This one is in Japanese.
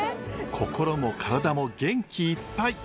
心も体も元気いっぱい！